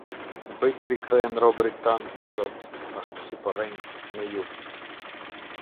Bëj të rikthehen robërit tanë, o Zot, ashtu si përrenjtë në jug.